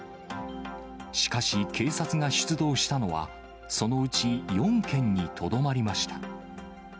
しかし警察が出動したのは、そのうち４件にとどまりました。